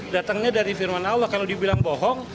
datangnya dari firman allah kalau dibilang bohong